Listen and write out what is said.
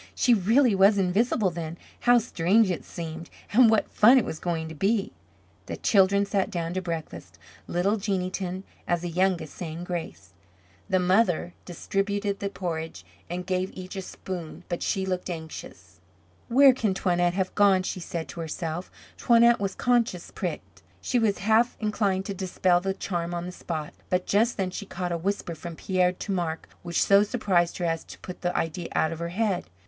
She really was invisible, then. How strange it seemed and what fun it was going to be. The children sat down to breakfast, little Jeanneton, as the youngest, saying grace. The mother distributed the porridge and gave each a spoon but she looked anxious. "Where can Toinette have gone?" she said to herself. Toinette was conscious pricked. She was half inclined to dispel the charm on the spot. But just then she caught a whisper from Pierre to Marc which so surprised her as to put the idea out of her head.